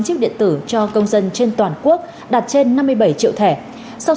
chiếc điện tử cho công dân trên toàn quốc đặt trên năm mươi bảy triệu đồng